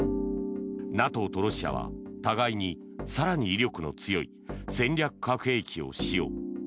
ＮＡＴＯとロシアは互いに更に威力の強い戦略核兵器を使用。